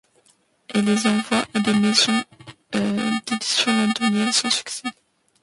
Il les envoie à des maisons d'édition londoniennes, sans succès.